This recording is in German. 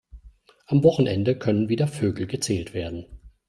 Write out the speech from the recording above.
Am Wochenende können wieder Vögel gezählt werden.